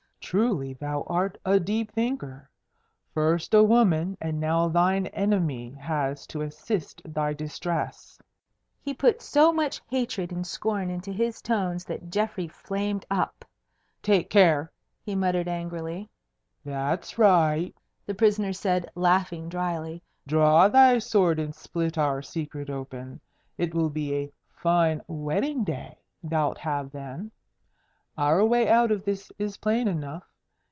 "Truly thou art a deep thinker! First a woman and now thine enemy has to assist thy distress." He put so much hatred and scorn into his tones that Geoffrey flamed up. "Take care!" he muttered angrily. "That's right!" the prisoner said, laughing dryly. "Draw thy sword and split our secret open. It will be a fine wedding day thou'lt have then. Our way out of this is plain enough.